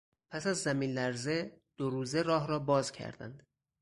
پس از زمین لرزه دو روزه راه را باز کردند.